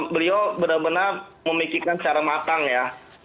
beliau benar benar memikirkan secara matang ya